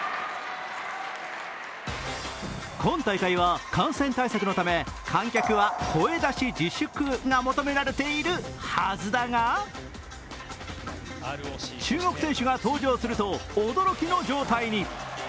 今大会は感染対策のため観客は声出し自粛が求められているはずだが中国選手が登場すると驚きの状態に。